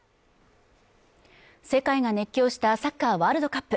世界が熱狂したサッカーワールドカップ